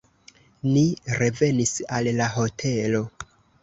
Ni revenis al la hotelo.